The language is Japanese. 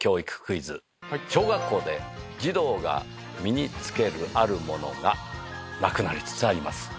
小学校で児童が身につけるあるものがなくなりつつあります。